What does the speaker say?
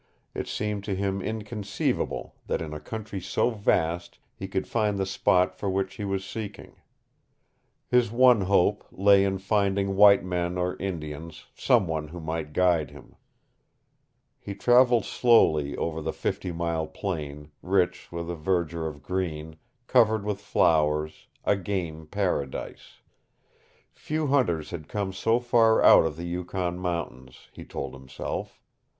It seemed to him inconceivable that in a country so vast he could find the spot for which he was seeking. His one hope lay in finding white men or Indians, some one who might guide him. He traveled slowly over the fifty mile plain rich with a verdure of green, covered with flowers, a game paradise. Few hunters had come so far out of the Yukon mountains, he told himself.